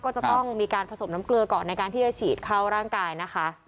ก็จะต้องมีการผสมน้ำเกลือก่อนในการที่จะฉีดเข้าร่างกายนะคะ